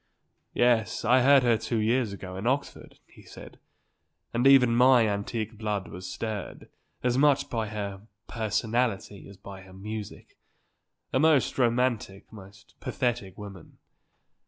"Yes; I heard her two years ago in Oxford," he said; "and even my antique blood was stirred, as much by her personality as by her music. A most romantic, most pathetic woman.